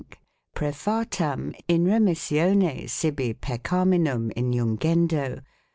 prefatam in remissione sibi peccaminum iniungendo.